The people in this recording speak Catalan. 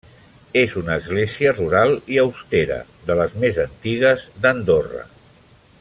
És una església rural i austera, de les més antigues d'Andorra.